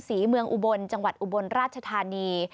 ศรีเมืองอุบลจังหวัดอุบลราชธานี